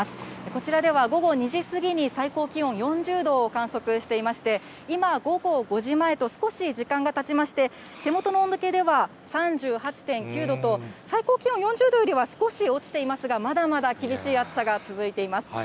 こちらでは午後２時過ぎに最高気温４０度を観測していまして、今、午後５時前と、少し時間がたちまして、手元の温度計では３８．９度と、最高気温４０度よりは少し落ちていますが、まだまだ厳しい暑さが続いています。